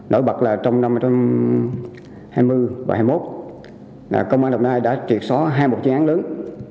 nổi bật là trong năm hai nghìn hai mươi và hai nghìn hai mươi một công an đồng nai đã triệt só hai mục chiến án lớn